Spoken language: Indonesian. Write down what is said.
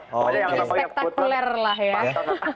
jadi spektakuler lah ya